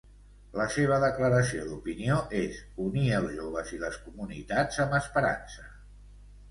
La seva declaració d'opinió és "Unir els joves i les comunitats amb esperança".